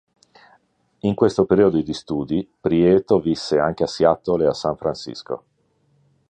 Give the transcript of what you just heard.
In questo periodo di studi, Prieto visse anche a Seattle e San Francisco.